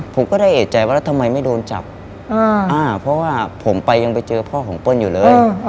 ผมก็ได้เอกใจว่าแล้วทำไมไม่โดนจับเพราะว่าผมไปยังไปเจอพ่อของเปิ้ลอยู่เลย